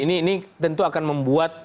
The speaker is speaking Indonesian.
ini tentu akan membuat